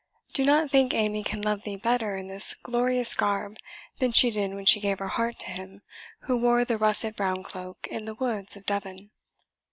Do not think Amy can love thee better in this glorious garb than she did when she gave her heart to him who wore the russet brown cloak in the woods of Devon."